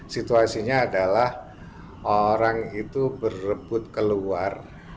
situasinya adalah orang itu berebut keluar